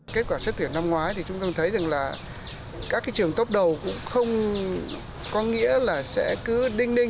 kết quả xét tuyển năm ngoái thì chúng tôi thấy rằng là các trường tốc đầu cũng không có nghĩa là sẽ cứ đinh đinh